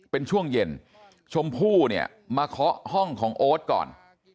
เป็นช่วงเย็นชมพู่เนี่ยมาเคาะห้องของโอ๊ตก่อน